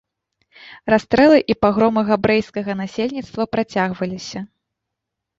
Расстрэлы і пагромы габрэйскага насельніцтва працягваліся.